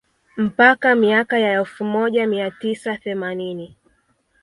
Mpaka miaka ya elfu moja mia tisa themanini